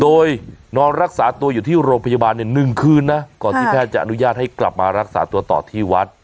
โดยนอนรักษาตัวอยู่ที่โรงพยาบาลเนี่ย๑คืนนะก่อนที่แพทย์จะอนุญาตให้กลับมารักษาตัวต่อที่วัด